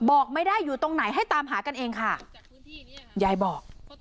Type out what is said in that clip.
บอกไม่ได้อยู่ตรงไหนให้ตามหากันเองค่ะยายบอก